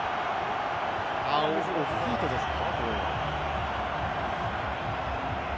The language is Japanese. オフフィートですか？